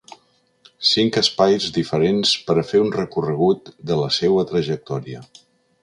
Cinc espais diferents per a fer un recorregut de la seua trajectòria.